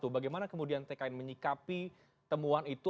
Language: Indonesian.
bagaimana kemudian tkn menyikapi temuan itu